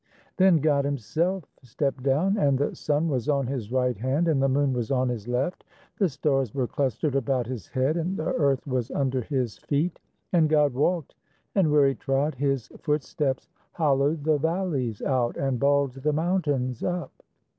"_ Then God himself stepped down And the sun was on His right hand, And the moon was on His left; The stars were clustered about His head, And the earth was under His feet. And God walked, and where He trod His footsteps hollowed the valleys out And bulged the mountains up.